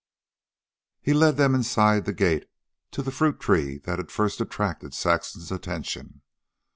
He led them inside the gate, to the fruit tree that had first attracted Saxon's attention.